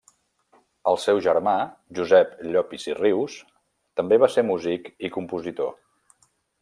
El seu germà Josep Llopis i Rius també va ser músic i compositor.